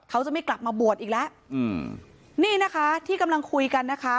เขาจะไม่กลับมาบวชอีกแล้วอืมนี่นะคะที่กำลังคุยกันนะคะ